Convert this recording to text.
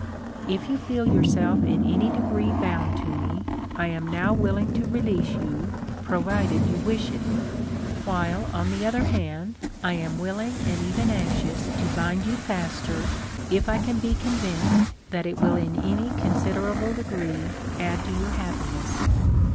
If you feel yourself in any degree bound to me, I am now will ing to release you, provided you wish it ; while, on the other hand, I am willing and even anxious to bind you faster if I can be convinced that it will in any considerable degree add to your happiness.